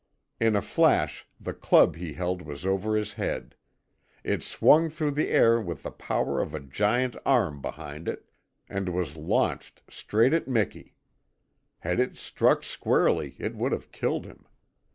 In a flash the club he held was over his head; it swung through the air with the power of a giant arm behind it and was launched straight at Miki. Had it struck squarely it would have killed him.